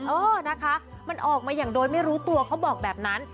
เออนะคะมันออกมาอย่างโดยไม่รู้ตัวเขาบอกแบบนั้น